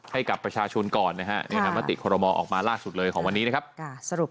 ให้กับประชาชนก่อนนะครับ